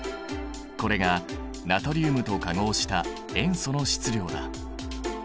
これがナトリウムと化合した塩素の質量だ。